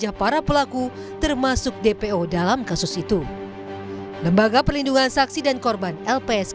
aep pun belum memberikan jawaban untuk menerima pendawaran lpsk